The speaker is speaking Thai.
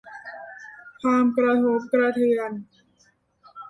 ความกระทบกระเทือน